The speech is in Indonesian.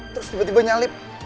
terus tiba tiba nyalip